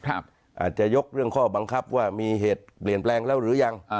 อาจจะยกเรื่องข้อบังคับว่ามีเหตุเปลี่ยนแปลงแล้วหรือยัง